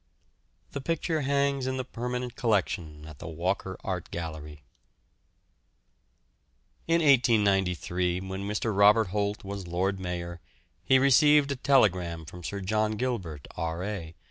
The picture hangs in the permanent collection at the Walker Art Gallery. In 1893, when Mr. Robert Holt was Lord Mayor, he received a telegram from Sir John Gilbert, R.A.